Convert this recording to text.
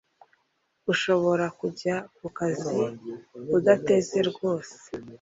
ushobora kujya ku kazi udateze rwose